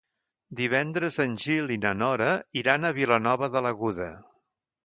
Divendres en Gil i na Nora iran a Vilanova de l'Aguda.